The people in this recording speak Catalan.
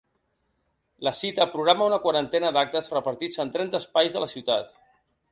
La cita programa una quarantena d’actes repartits en trenta espais de la ciutat.